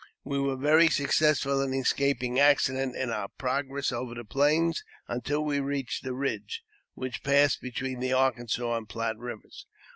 We were very successful in escaping accident in our progress over the plains, until we reached the ridge which passes between the Arkansas and Platte rivers.